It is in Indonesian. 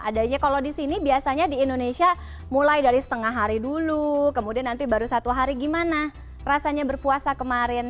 adanya kalau di sini biasanya di indonesia mulai dari setengah hari dulu kemudian nanti baru satu hari gimana rasanya berpuasa kemarin